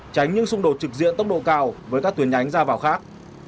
tránh những xung đột trực diện tốc độ cao với các tuyến nhánh ra vào khác